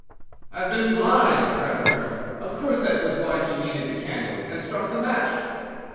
"I have been blind!" cried the Colonel. "Of course that was why he needed the candle, and struck the match."